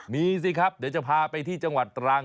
มีสิครับเดี๋ยวจะพาไปที่จังหวัดตรัง